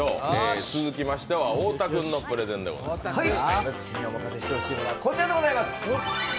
私におまかせしてほしいものはこちらでございます。